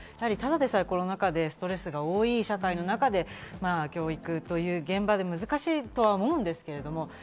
ただでさえコロナ禍でストレスが多い社会の中で教育という現場で難しいとは思うんですけど。